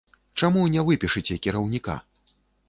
Чаму не выпішыце кіраўніка?